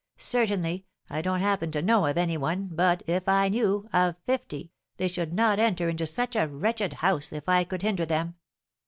Certainly, I don't happen to know of any one, but, if I knew of fifty, they should not enter into such a wretched house, if I could hinder them.